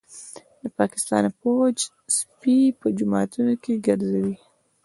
د پاکستان پوځ سپي په جوماتونو کي ګرځوي